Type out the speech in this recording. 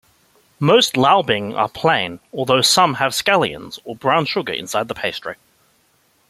Most laobing are plain, although some have scallions or brown sugar inside the pastry.